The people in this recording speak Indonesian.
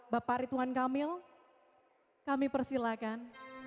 bapak rituan kamil kami persilakan